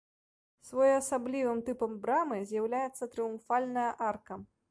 Своеасаблівым тыпам брамы з'яўляецца трыумфальная арка.